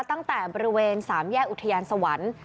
ตั้งแต่บริเวณ๓แยกอุทยานสวรรค์